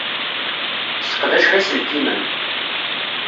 Sseqdaceɣ iselkimen.